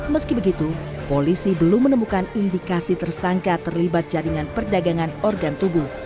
meski begitu polisi belum menemukan indikasi tersangka terlibat jaringan perdagangan organ tubuh